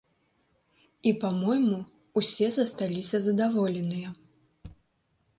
І па-мойму, усе засталіся задаволеныя.